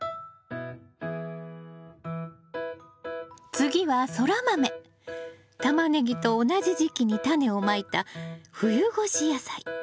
次はタマネギと同じ時期にタネをまいた冬越し野菜。